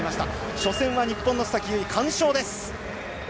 初戦は日本の須崎優衣完勝です。